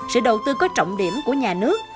sự đầu tư có trọng điểm của nhà nước